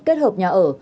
kết hợp nhà ở